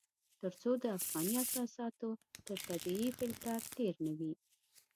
تر څو د افغاني اساساتو تر طبيعي فلټر تېر نه وي.